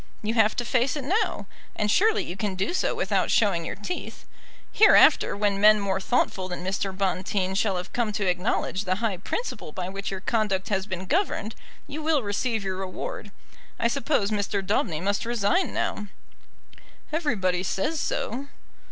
You have to face it now, and surely you can do so without showing your teeth. Hereafter, when men more thoughtful than Mr. Bonteen shall have come to acknowledge the high principle by which your conduct has been governed, you will receive your reward. I suppose Mr. Daubeny must resign now." "Everybody says so."